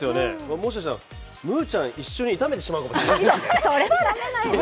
もしかしたらむーちゃん、一緒に炒めてしまうかもしれない。